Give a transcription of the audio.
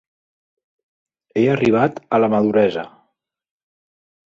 He arribat a la maduresa.